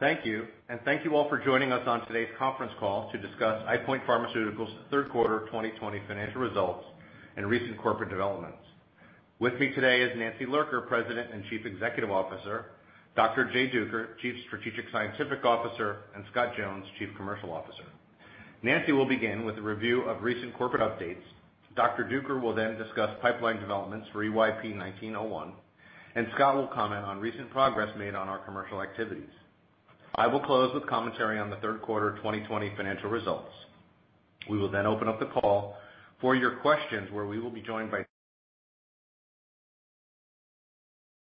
Thank you all for joining us on today's conference call to discuss EyePoint Pharmaceuticals' third quarter 2020 financial results and recent corporate developments. With me today is Nancy Lurker, President and Chief Executive Officer, Dr. Jay Duker, Chief Strategic Scientific Officer, and Scott Jones, Chief Commercial Officer. Nancy will begin with a review of recent corporate updates. Dr. Duker will then discuss pipeline developments for EYP-1901, Scott will comment on recent progress made on our commercial activities. I will close with commentary on the third quarter 2020 financial results. We will then open up the call for your questions, where we will be joined by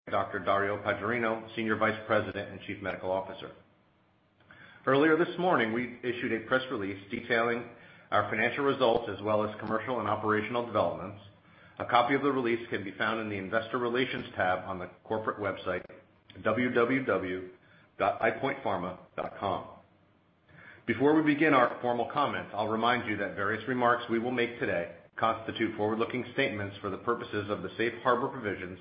Dr. Dario Paggiarino, Senior Vice President and Chief Medical Officer. Earlier this morning, we issued a press release detailing our financial results as well as commercial and operational developments. A copy of the release can be found in the Investor Relations tab on the corporate website, www.eyepointpharma.com. Before we begin our formal comments, I'll remind you that various remarks we will make today constitute forward-looking statements for the purposes of the safe harbor provisions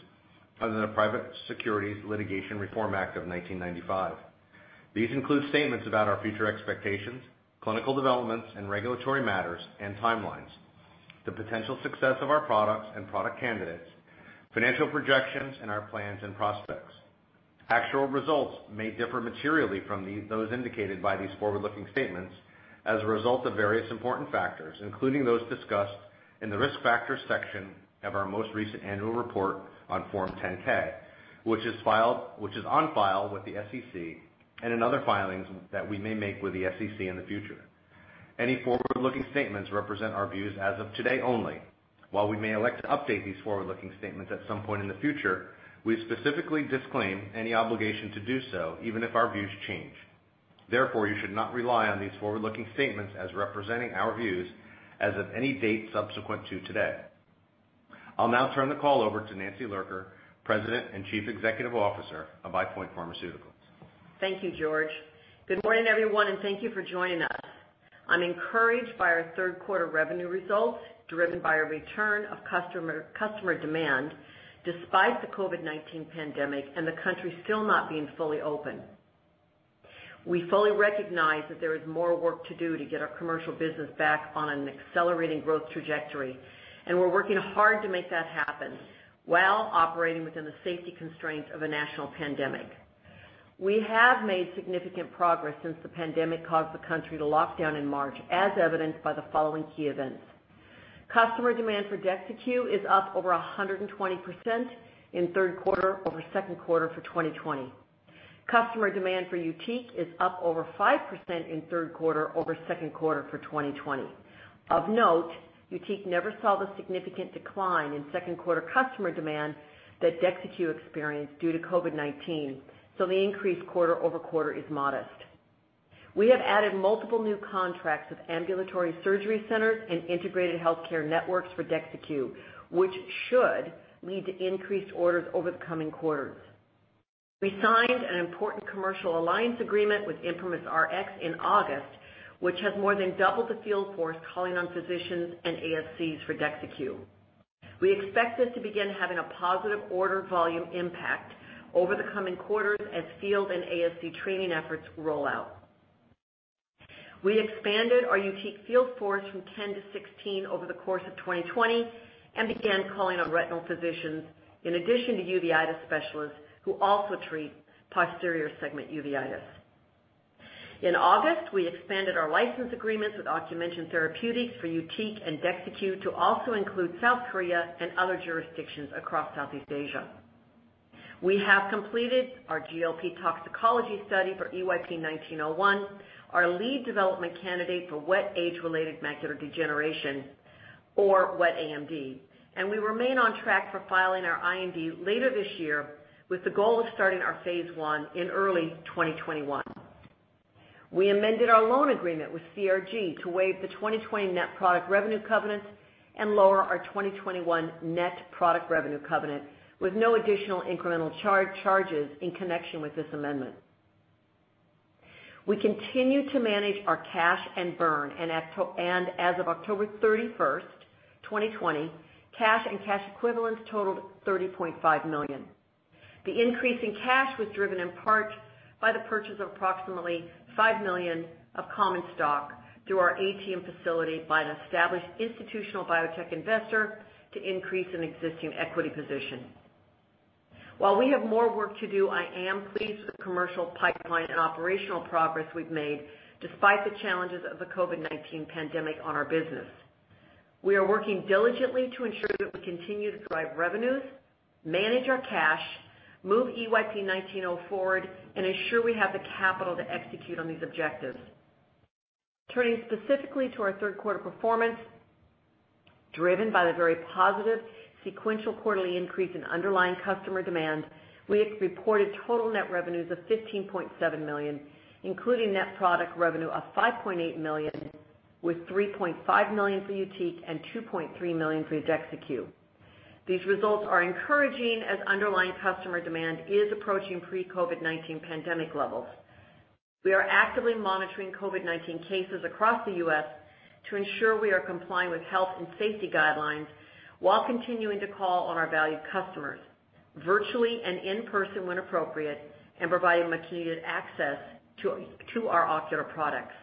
under the Private Securities Litigation Reform Act of 1995. These include statements about our future expectations, clinical developments, and regulatory matters and timelines, the potential success of our products and product candidates, financial projections, and our plans and prospects. Actual results may differ materially from those indicated by these forward-looking statements as a result of various important factors, including those discussed in the Risk Factors section of our most recent annual report on Form 10-K, which is on file with the SEC and in other filings that we may make with the SEC in the future. Any forward-looking statements represent our views as of today only. While we may elect to update these forward-looking statements at some point in the future, we specifically disclaim any obligation to do so, even if our views change. Therefore, you should not rely on these forward-looking statements as representing our views as of any date subsequent to today. I'll now turn the call over to Nancy Lurker, President and Chief Executive Officer of EyePoint Pharmaceuticals. Thank you, George. Good morning, everyone, and thank you for joining us. I'm encouraged by our third quarter revenue results, driven by a return of customer demand despite the COVID-19 pandemic and the country still not being fully open. We fully recognize that there is more work to do to get our commercial business back on an accelerating growth trajectory, and we're working hard to make that happen while operating within the safety constraints of a national pandemic. We have made significant progress since the pandemic caused the country to lock down in March, as evidenced by the following key events. Customer demand for DEXYCU is up over 120% in Q3 over Q2 for 2020. Customer demand for YUTIQ is up over 5% in Q3 over Q2 for 2020. Of note, YUTIQ never saw the significant decline in Q2 customer demand that DEXYCU experienced due to COVID-19, the increase quarter-over-quarter is modest. We have added multiple new contracts with ambulatory surgery centers and integrated healthcare networks for DEXYCU, which should lead to increased orders over the coming quarters. We signed an important commercial alliance agreement with ImprimisRx in August, which has more than doubled the field force calling on physicians and ASCs for DEXYCU. We expect this to begin having a positive order volume impact over the coming quarters as field and ASC training efforts roll out. We expanded our YUTIQ field force from 10 to 16 over the course of 2020 and began calling on retinal physicians in addition to uveitis specialists who also treat posterior segment uveitis. In August, we expanded our license agreements with Ocumension Therapeutics for YUTIQ and DEXYCU to also include South Korea and other jurisdictions across Southeast Asia. We have completed our GLP toxicology study for EYP-1901, our lead development candidate for wet age-related macular degeneration, or wet AMD, and we remain on track for filing our IND later this year with the goal of starting our phase I in early 2021. We amended our loan agreement with CRG to waive the 2020 net product revenue covenants and lower our 2021 net product revenue covenant with no additional incremental charges in connection with this amendment. We continue to manage our cash and burn, and as of October 31st, 2020, cash and cash equivalents totaled $30.5 million. The increase in cash was driven in part by the purchase of approximately $5 million of common stock through our ATM facility by an established institutional biotech investor to increase an existing equity position. While we have more work to do, I am pleased with the commercial pipeline and operational progress we've made despite the challenges of the COVID-19 pandemic on our business. We are working diligently to ensure that we continue to drive revenues, manage our cash, move EYP-1901 forward, and ensure we have the capital to execute on these objectives. Turning specifically to our third quarter performance, driven by the very positive sequential quarterly increase in underlying customer demand, we reported total net revenues of $15.7 million, including net product revenue of $5.8 million, with $3.5 million for YUTIQ and $2.3 million for DEXYCU. These results are encouraging as underlying customer demand is approaching pre-COVID-19 pandemic levels. We are actively monitoring COVID-19 cases across the U.S. to ensure we are complying with health and safety guidelines while continuing to call on our valued customers virtually and in person when appropriate, and providing much needed access to our ocular products.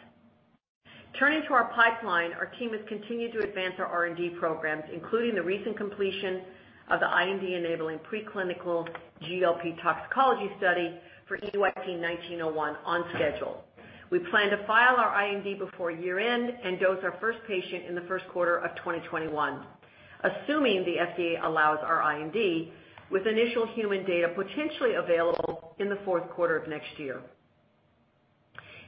Turning to our pipeline, our team has continued to advance our R&D programs, including the recent completion of the IND-enabling preclinical GLP toxicology study for EYP-1901 on schedule. We plan to file our IND before year-end and dose our first patient in the first quarter of 2021, assuming the FDA allows our IND, with initial human data potentially available in the fourth quarter of next year.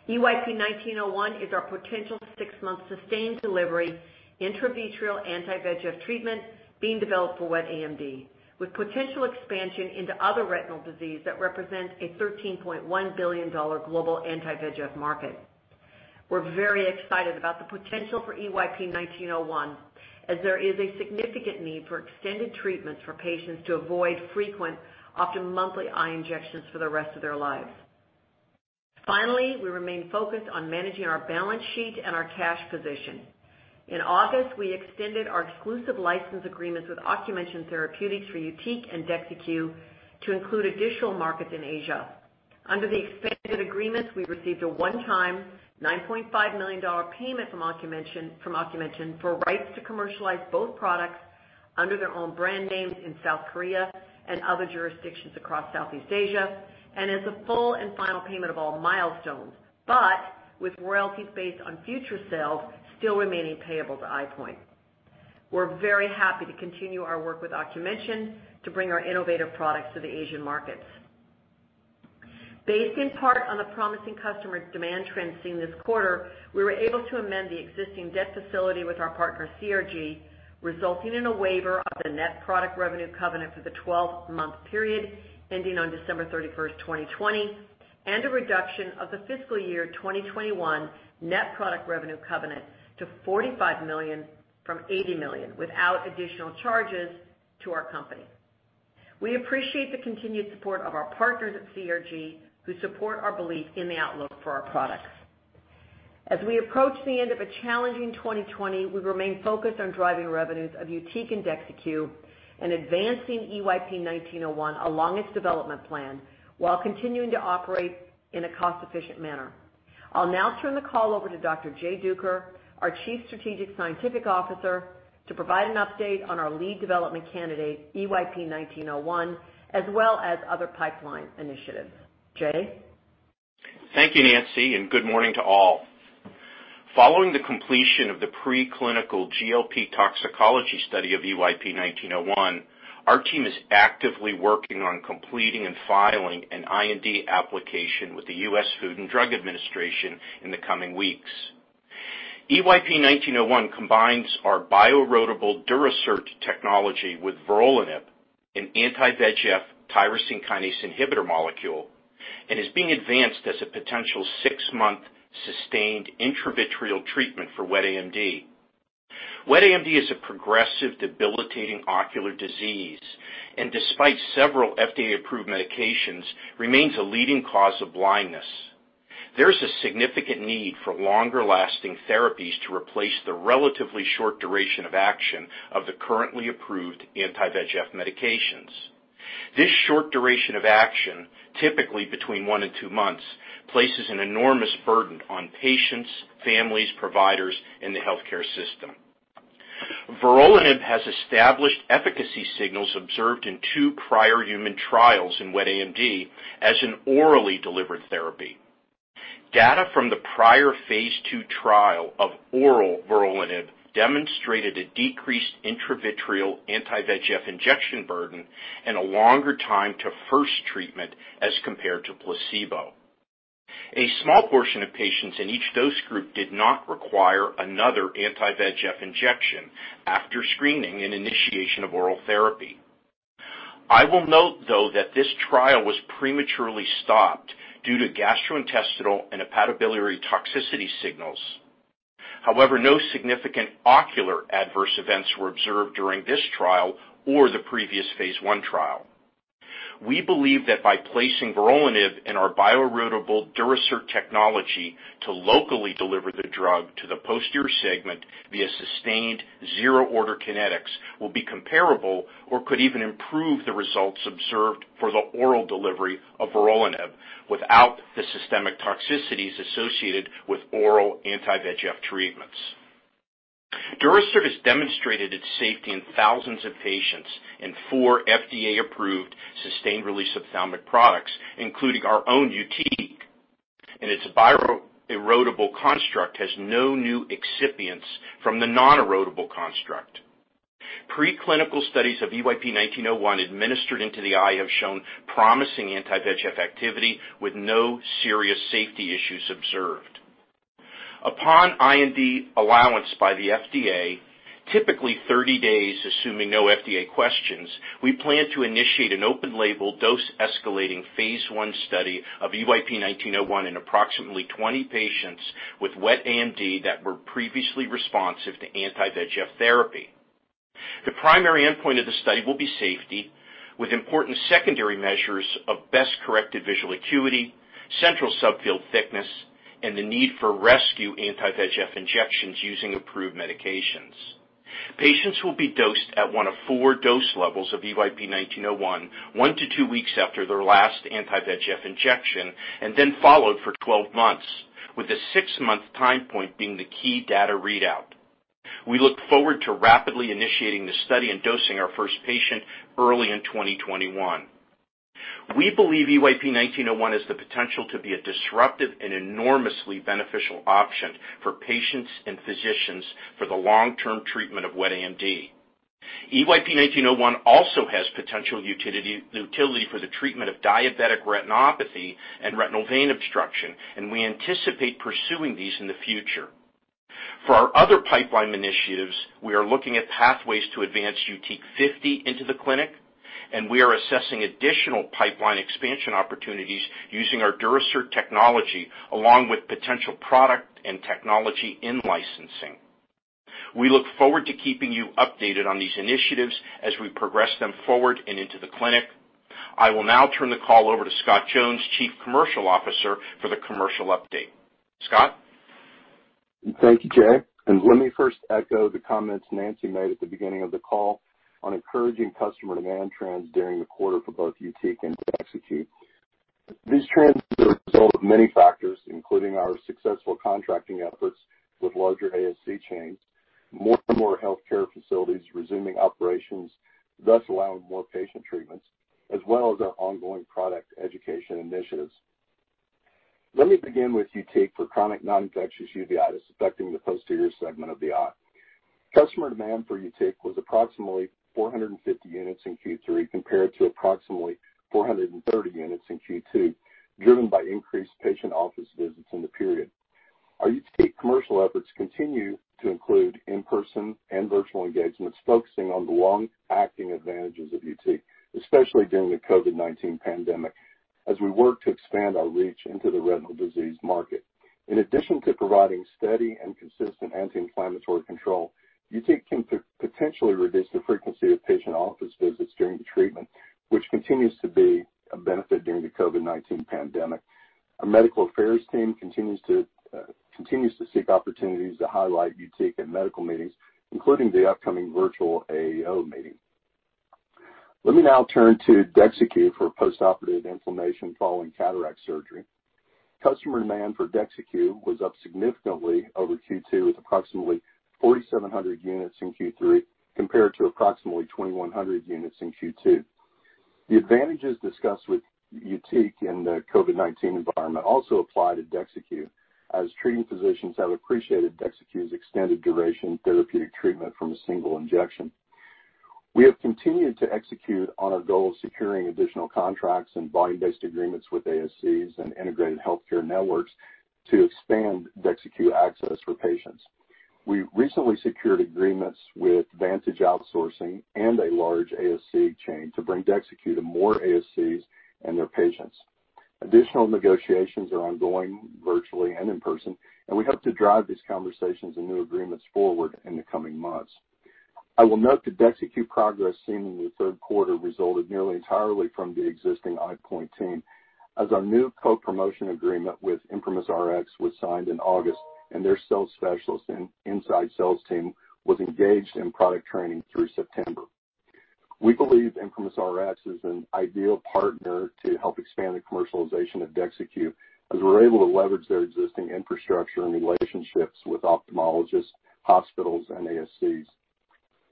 EYP-1901 is our potential six-month sustained delivery intravitreal anti-VEGF treatment being developed for wet AMD, with potential expansion into other retinal disease that represents a $13.1 billion global anti-VEGF market. We're very excited about the potential for EYP-1901, as there is a significant need for extended treatments for patients to avoid frequent, often monthly eye injections for the rest of their lives. We remain focused on managing our balance sheet and our cash position. In August, we extended our exclusive license agreements with Ocumension Therapeutics for YUTIQ and DEXYCU to include additional markets in Asia. Under the extended agreements, we received a one-time $9.5 million payment from Ocumension for rights to commercialize both products under their own brand names in South Korea and other jurisdictions across Southeast Asia, and as a full and final payment of all milestones, but with royalties based on future sales still remaining payable to EyePoint. We're very happy to continue our work with Ocumension to bring our innovative products to the Asian markets. Based in part on the promising customer demand trends seen this quarter, we were able to amend the existing debt facility with our partner CRG, resulting in a waiver of the net product revenue covenant for the 12-month period ending on December 31st, 2020, and a reduction of the fiscal year 2021 net product revenue covenant to $45 million from $80 million without additional charges to our company. We appreciate the continued support of our partners at CRG, who support our belief in the outlook for our products. As we approach the end of a challenging 2020, we remain focused on driving revenues of YUTIQ and DEXYCU and advancing EYP-1901 along its development plan while continuing to operate in a cost-efficient manner. I'll now turn the call over to Dr. Jay Duker, our Chief Strategic Scientific Officer, to provide an update on our lead development candidate, EYP-1901, as well as other pipeline initiatives. Jay? Thank you, Nancy, and good morning to all. Following the completion of the preclinical GLP toxicology study of EYP-1901, our team is actively working on completing and filing an IND application with the U.S. Food and Drug Administration in the coming weeks. EYP-1901 combines our bioerodible Durasert technology with vorolanib, an anti-VEGF tyrosine kinase inhibitor molecule, and is being advanced as a potential six-month sustained intravitreal treatment for wet AMD. Wet AMD is a progressive, debilitating ocular disease and despite several FDA-approved medications, remains a leading cause of blindness. There's a significant need for longer-lasting therapies to replace the relatively short duration of action of the currently approved anti-VEGF medications. This short duration of action, typically between one and two months, places an enormous burden on patients, families, providers, and the healthcare system. Vorolanib has established efficacy signals observed in two prior human trials in wet AMD as an orally delivered therapy. Data from the prior phase II trial of oral vorolanib demonstrated a decreased intravitreal anti-VEGF injection burden and a longer time to first treatment as compared to placebo. A small portion of patients in each dose group did not require another anti-VEGF injection after screening and initiation of oral therapy. I will note, though, that this trial was prematurely stopped due to gastrointestinal and hepatobiliary toxicity signals. However, no significant ocular adverse events were observed during this trial or the previous phase I trial. We believe that by placing vorolanib in our bioerodible Durasert technology to locally deliver the drug to the posterior segment via sustained zero-order kinetics will be comparable or could even improve the results observed for the oral delivery of vorolanib without the systemic toxicities associated with oral anti-VEGF treatments. Durasert has demonstrated its safety in thousands of patients in four FDA-approved sustained release ophthalmic products, including our own YUTIQ, and its bioerodible construct has no new excipients from the non-erodible construct. Preclinical studies of EYP-1901 administered into the eye have shown promising anti-VEGF activity with no serious safety issues observed. Upon IND allowance by the FDA, typically 30 days, assuming no FDA questions, we plan to initiate an open-label dose-escalating phase I study of EYP-1901 in approximately 20 patients with wet AMD that were previously responsive to anti-VEGF therapy. The primary endpoint of the study will be safety, with important secondary measures of best-corrected visual acuity, central subfield thickness, and the need for rescue anti-VEGF injections using approved medications. Patients will be dosed at one of four dose levels of EYP-1901 one to two weeks after their last anti-VEGF injection, and then followed for 12 months, with the six-month time point being the key data readout. We look forward to rapidly initiating this study and dosing our first patient early in 2021. We believe EYP-1901 has the potential to be a disruptive and enormously beneficial option for patients and physicians for the long-term treatment of wet AMD. EYP-1901 also has potential utility for the treatment of diabetic retinopathy and retinal vein occlusion, and we anticipate pursuing these in the future. For our other pipeline initiatives, we are looking at pathways to advance YUTIQ 50 into the clinic, and we are assessing additional pipeline expansion opportunities using our Durasert technology, along with potential product and technology in licensing. We look forward to keeping you updated on these initiatives as we progress them forward and into the clinic. I will now turn the call over to Scott Jones, Chief Commercial Officer, for the commercial update. Scott? Thank you, Jay. Let me first echo the comments Nancy made at the beginning of the call on encouraging customer demand trends during the quarter for both YUTIQ and DEXYCU. These trends are the result of many factors, including our successful contracting efforts with larger ASC chains, more and more healthcare facilities resuming operations, thus allowing more patient treatments, as well as our ongoing product education initiatives. Let me begin with YUTIQ for chronic non-infectious uveitis affecting the posterior segment of the eye. Customer demand for YUTIQ was approximately 450 units in Q3 compared to approximately 430 units in Q2, driven by increased patient office visits in the period. Our YUTIQ commercial efforts continue to include in-person and virtual engagements focusing on the long-acting advantages of YUTIQ, especially during the COVID-19 pandemic, as we work to expand our reach into the retinal disease market. In addition to providing steady and consistent anti-inflammatory control, YUTIQ can potentially reduce the frequency of patient office visits during the treatment, which continues to be a benefit during the COVID-19 pandemic. Our medical affairs team continues to seek opportunities to highlight YUTIQ in medical meetings, including the upcoming virtual AAO meeting. Let me now turn to DEXYCU for postoperative inflammation following cataract surgery. Customer demand for DEXYCU was up significantly over Q2, with approximately 4,700 units in Q3 compared to approximately 2,100 units in Q2. The advantages discussed with YUTIQ in the COVID-19 environment also apply to DEXYCU, as treating physicians have appreciated DEXYCU's extended duration therapeutic treatment from a single injection. We have continued to execute on our goal of securing additional contracts and volume-based agreements with ASCs and integrated healthcare networks to expand DEXYCU access for patients. We recently secured agreements with Vantage Outsourcing and a large ASC chain to bring DEXYCU to more ASCs and their patients. Additional negotiations are ongoing virtually and in person, and we hope to drive these conversations and new agreements forward in the coming months. I will note that DEXYCU progress seen in the third quarter resulted nearly entirely from the existing EyePoint team, as our new co-promotion agreement with ImprimisRx was signed in August, and their sales specialists and inside sales team was engaged in product training through September. We believe ImprimisRx is an ideal partner to help expand the commercialization of DEXYCU as we're able to leverage their existing infrastructure and relationships with ophthalmologists, hospitals, and ASCs.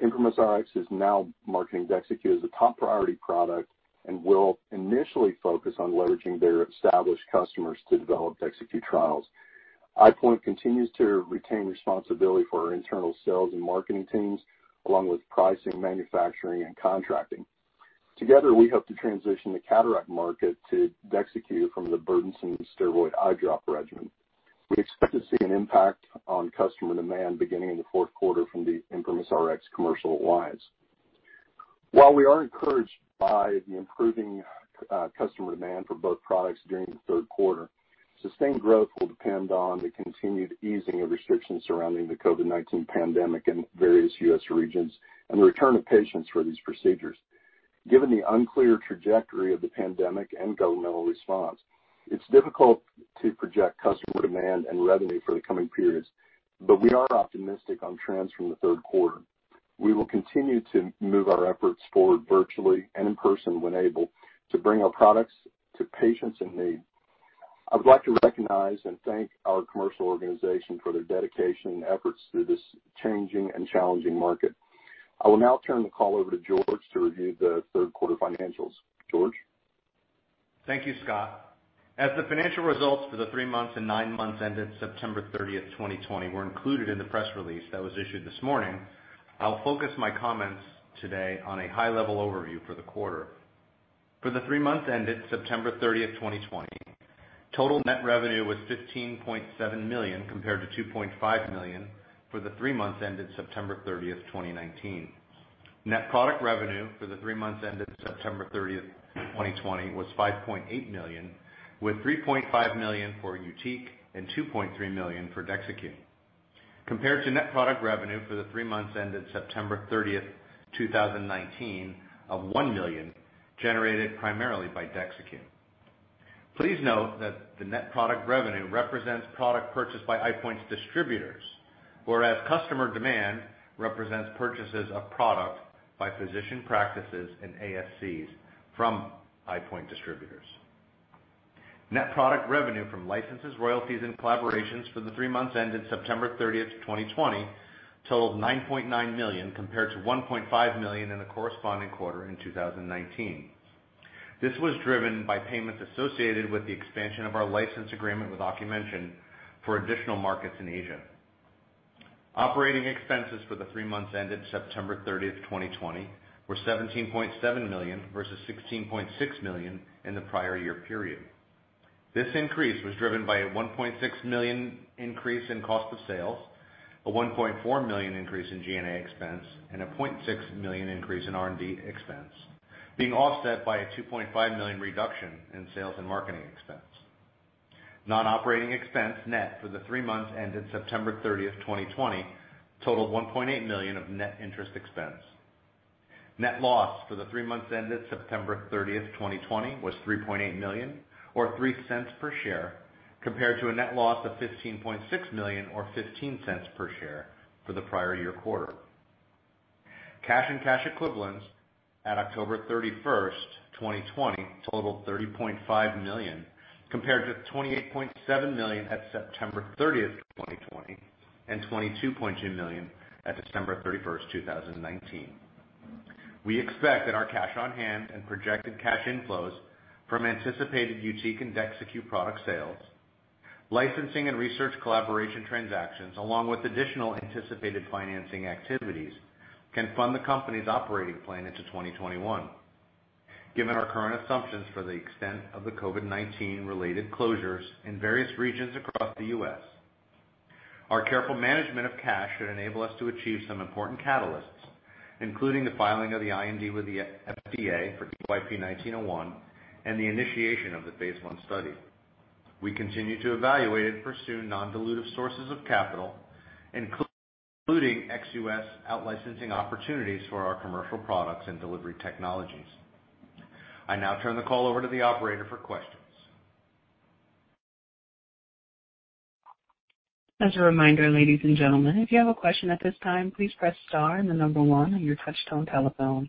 ImprimisRx is now marketing DEXYCU as a top priority product and will initially focus on leveraging their established customers to develop DEXYCU trials. EyePoint continues to retain responsibility for our internal sales and marketing teams, along with pricing, manufacturing, and contracting. Together, we hope to transition the cataract market to DEXYCU from the burdensome steroid eye drop regimen. We expect to see an impact on customer demand beginning in the fourth quarter from the ImprimisRx commercial alliance. While we are encouraged by the improving customer demand for both products during the third quarter, sustained growth will depend on the continued easing of restrictions surrounding the COVID-19 pandemic in various U.S. regions and the return of patients for these procedures. Given the unclear trajectory of the pandemic and governmental response, it's difficult to project customer demand and revenue for the coming periods, but we are optimistic on trends from the third quarter. We will continue to move our efforts forward virtually and in person when able to bring our products to patients in need. I would like to recognize and thank our commercial organization for their dedication and efforts through this changing and challenging market. I will now turn the call over to George to review the third quarter financials. George? Thank you, Scott. As the financial results for the three months and nine months ended September 30th, 2020, were included in the press release that was issued this morning, I'll focus my comments today on a high-level overview for the quarter. For the three months ended September 30th, 2020, total net revenue was $15.7 million, compared to $2.5 million for the three months ended September 30th, 2019. Net product revenue for the three months ended September 30th, 2020, was $5.8 million, with $3.5 million for YUTIQ and $2.3 million for DEXYCU Compared to net product revenue for the three months ended September 30th, 2019, of $1 million, generated primarily by DEXYCU. Please note that the net product revenue represents product purchased by EyePoint's distributors, whereas customer demand represents purchases of product by physician practices and ASCs from EyePoint distributors. Net product revenue from licenses, royalties, and collaborations for the three months ended September 30th, 2020 totaled $9.9 million, compared to $1.5 million in the corresponding quarter in 2019. This was driven by payments associated with the expansion of our license agreement with Ocumension for additional markets in Asia. Operating expenses for the three months ended September 30th, 2020 were $17.7 million versus $16.6 million in the prior year period. This increase was driven by a $1.6 million increase in cost of sales, a $1.4 million increase in G&A expense, and a $0.6 million increase in R&D expense, being offset by a $2.5 million reduction in sales and marketing expense. Non-operating expense net for the three months ended September 30, 2020 totaled $1.8 million of net interest expense. Net loss for the three months ended September 30, 2020 was $3.8 million, or $0.03 per share, compared to a net loss of $15.6 million or $0.15 per share for the prior year quarter. Cash and cash equivalents at October 31, 2020 totaled $30.5 million, compared to $28.7 million at September 30, 2020, and $22.2 million at December 31, 2019. We expect that our cash on hand and projected cash inflows from anticipated YUTIQ and DEXYCU product sales, licensing and research collaboration transactions, along with additional anticipated financing activities, can fund the company's operating plan into 2021. Given our current assumptions for the extent of the COVID-19-related closures in various regions across the U.S., our careful management of cash should enable us to achieve some important catalysts, including the filing of the IND with the FDA for EYP-1901 and the initiation of the phase I study. We continue to evaluate and pursue non-dilutive sources of capital, including ex-U.S. out-licensing opportunities for our commercial products and delivery technologies. I now turn the call over to the operator for questions. As a reminder, ladies and gentlemen, if you have a question at this time, please press star then the number one on your touch-tone telephone.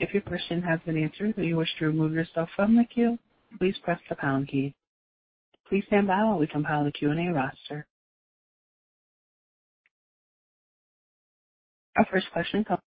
If your question has been answered and you wish to remove yourself from the queue, please press the pound key. Please standby while we compile the Q&A roster. Our first question comes-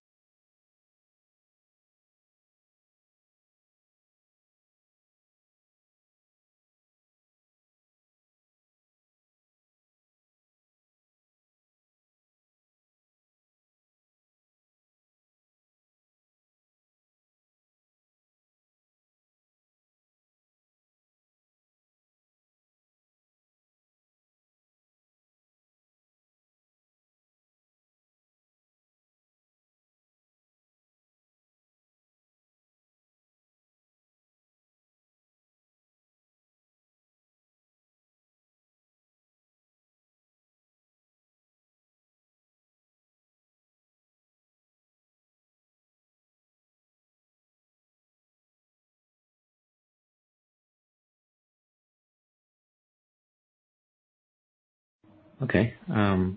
Okay. I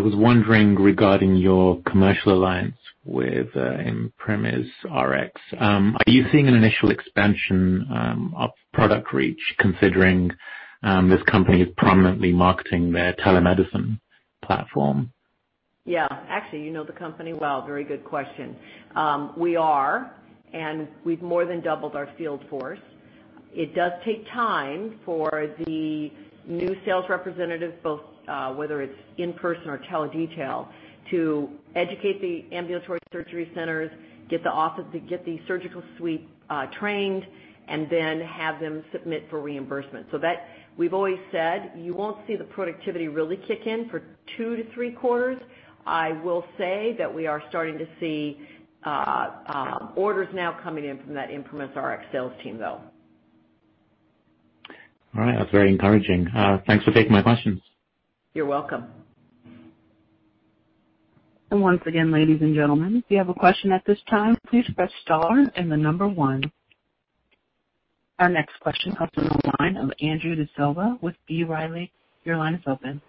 was wondering, regarding your commercial alliance with ImprimisRx, are you seeing an initial expansion of product reach considering this company is prominently marketing their telemedicine platform? Yeah. Actually, you know the company well. Very good question. We are, we've more than doubled our field force. It does take time for the new sales representatives, both whether it's in person or tele-detail, to educate the Ambulatory Surgery Centers, get the surgical suite trained, and then have them submit for reimbursement. That we've always said you won't see the productivity really kick in for two to three quarters. I will say that we are starting to see orders now coming in from that ImprimisRx sales team, though. All right. That's very encouraging. Thanks for taking my questions. You're welcome. Once again, ladies and gentlemen, if you have a question at this time, please press star and the number one. Our next question comes from the line of Andrew D'Silva with B. Riley. Your line is open.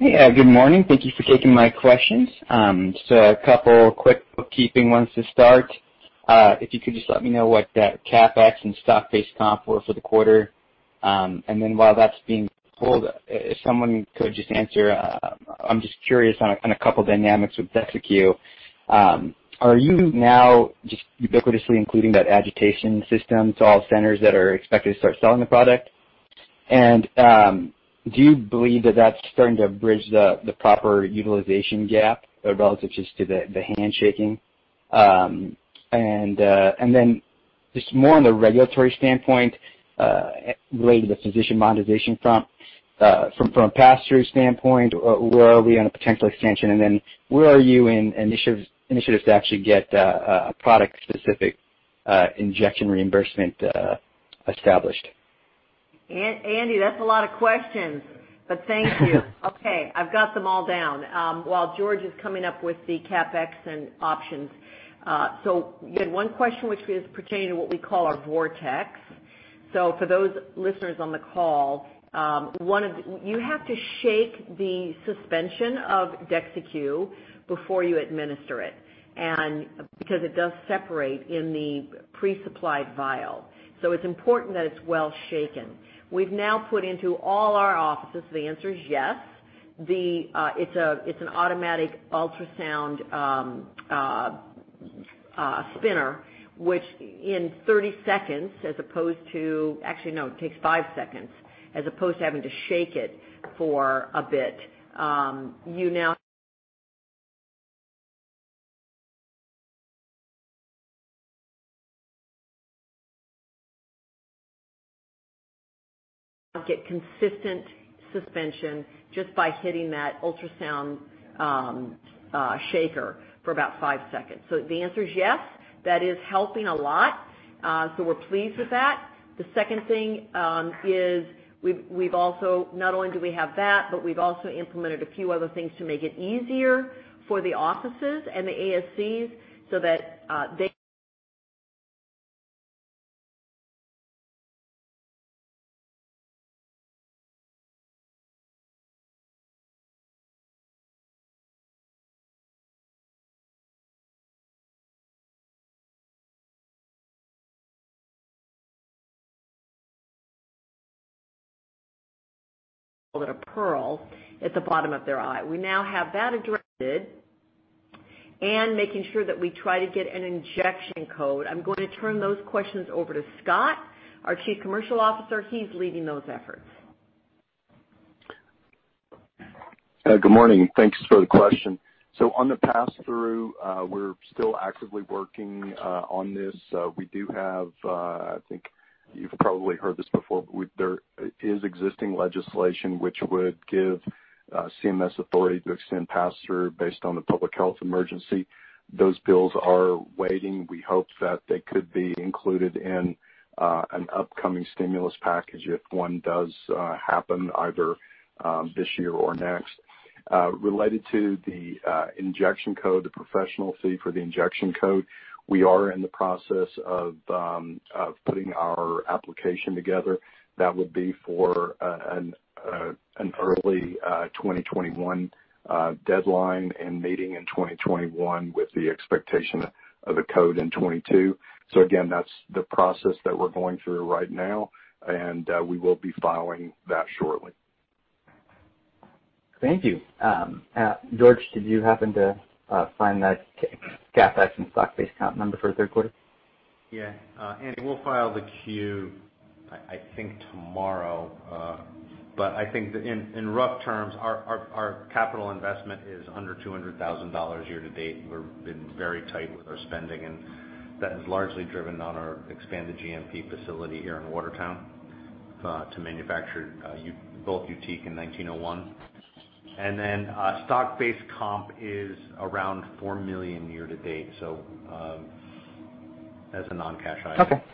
Hey. Good morning. Thank you for taking my questions. Just a couple of quick bookkeeping ones to start. If you could just let me know what the CapEx and stock-based comp were for the quarter. While that's being pulled, if someone could just answer, I'm just curious on a couple of dynamics with DEXYCU. Are you now just ubiquitously including that agitation system to all centers that are expected to start selling the product? Do you believe that that's starting to bridge the proper utilization gap relative just to the handshaking? Just more on the regulatory standpoint, related to physician monetization front, from a pass-through standpoint, where are we on a potential extension? Where are you in initiatives to actually get a product-specific-injection reimbursement established? Andy, that's a lot of questions, but thank you. Okay, I've got them all down. While George is coming up with the CapEx and options. You had one question which is pertaining to what we call our vortex. For those listeners on the call, you have to shake the suspension of DEXYCU before you administer it, because it does separate in the pre-supplied vial. It's important that it's well-shaken. We've now put into all our offices, the answer is yes, it's an automatic ultrasound spinner, which in 30 seconds, as opposed to actually, no, it takes five seconds as opposed to having to shake it for a bit. You now get consistent suspension just by hitting that ultrasound shaker for about five seconds. The answer is yes, that is helping a lot. We're pleased with that. The second thing is we've also, not only do we have that, but we've also implemented a few other things to make it easier for the offices and the ASCs so that they call it a pearl at the bottom of their eye. We now have that addressed and making sure that we try to get an injection code. I'm going to turn those questions over to Scott, our Chief Commercial Officer. He's leading those efforts. Good morning. Thanks for the question. On the pass-through, we're still actively working on this. We do have, I think you've probably heard this before, but there is existing legislation which would give CMS authority to extend pass-through based on the public health emergency. Those bills are waiting. We hope that they could be included in an upcoming stimulus package if one does happen either this year or next. Related to the injection code, the professional fee for the injection code, we are in the process of putting our application together. That would be for an early 2021 deadline and meeting in 2021 with the expectation of a code in 2022. Again, that's the process that we're going through right now, and we will be filing that shortly. Thank you. George, did you happen to find that CapEx and stock-based comp number for the third quarter? Yeah. Andy, we'll file the Q, I think tomorrow. I think that in rough terms, our capital investment is under $200,000 year to date. We've been very tight with our spending, and that is largely driven on our expanded GMP facility here in Watertown, to manufacture both YUTIQ and EYP-1901. Stock-based comp is around $4 million year to date. That's a non-cash item. Okay.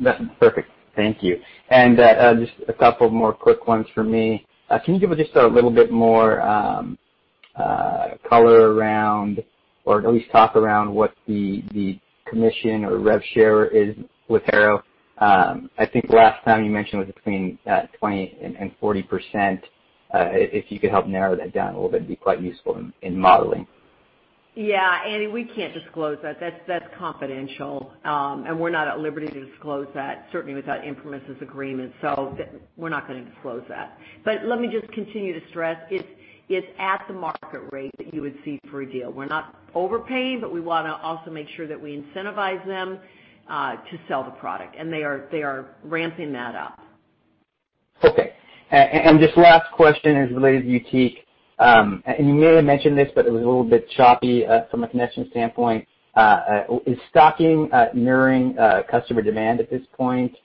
That's perfect. Thank you. Just a couple more quick ones for me. Can you give us just a little bit more color around, or at least talk around what the commission or rev share is with ImprimisRx? I think last time you mentioned it was between 20% and 40%. If you could help narrow that down a little bit, it'd be quite useful in modeling. Yeah, Andy, we can't disclose that. That's confidential. We're not at liberty to disclose that, certainly without ImprimisRx agreement. We're not gonna disclose that. Let me just continue to stress, it's at the market rate that you would see for a deal. We're not overpaying, but we wanna also make sure that we incentivize them to sell the product. They are ramping that up. Okay. This last question is related to YUTIQ. You may have mentioned this, but it was a little bit choppy from a connection standpoint. Is stocking mirroring customer demand at this point?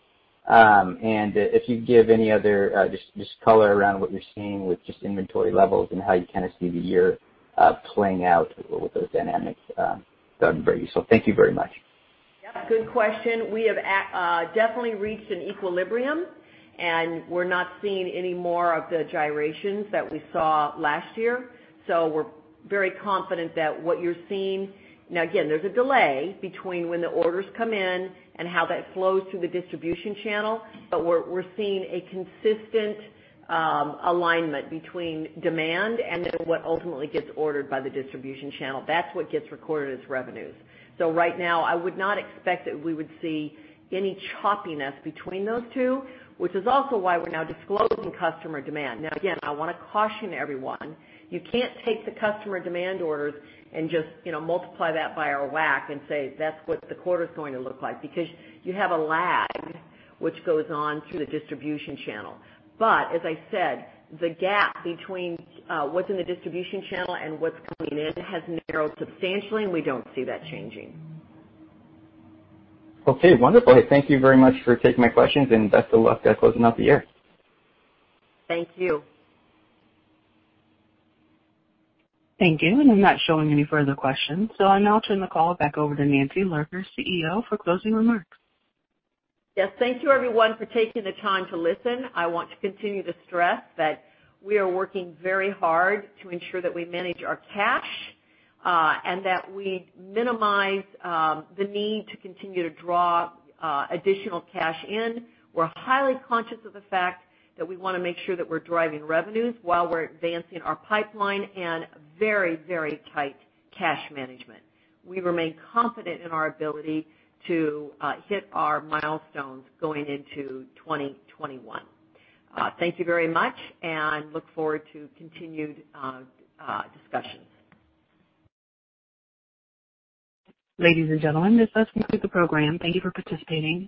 If you'd give any other just color around what you're seeing with just inventory levels and how you kind of see the year playing out with those dynamics that would be great. Thank you very much. Yep, good question. We have definitely reached an equilibrium, and we're not seeing any more of the gyrations that we saw last year. We're very confident that what you're seeing, again, there's a delay between when the orders come in and how that flows through the distribution channel. We're seeing a consistent alignment between demand and what ultimately gets ordered by the distribution channel. That's what gets recorded as revenues. Right now, I would not expect that we would see any choppiness between those two, which is also why we're now disclosing customer demand. Again, I wanna caution everyone, you can't take the customer demand orders and just multiply that by our WAC and say, "That's what the quarter's going to look like," because you have a lag which goes on through the distribution channel. As I said, the gap between what's in the distribution channel and what's coming in has narrowed substantially, and we don't see that changing. Okay, wonderful. Thank you very much for taking my questions and best of luck at closing out the year. Thank you. Thank you. I'm not showing any further questions, so I now turn the call back over to Nancy Lurker, CEO, for closing remarks. Yes, thank you everyone for taking the time to listen. I want to continue to stress that we are working very hard to ensure that we manage our cash, and that we minimize the need to continue to draw additional cash in. We're highly conscious of the fact that we want to make sure that we're driving revenues while we're advancing our pipeline and very, very tight cash management. We remain confident in our ability to hit our milestones going into 2021. Thank you very much, and look forward to continued discussions. Ladies and gentlemen, this does conclude the program. Thank you for participating.